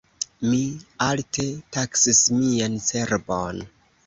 Mi alte taksis mian cerbon.